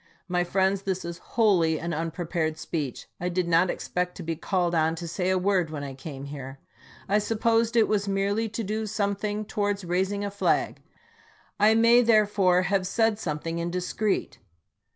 My friends, this is wholly an unprepared speech. I did not expect to be called on to say a word when I came here. I supposed it was merely to do something towards raising a flag — I may, therefore, have said something indiscreet.